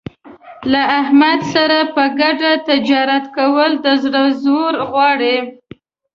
له احمد سره په ګډه تجارت کول د زړه زور غواړي.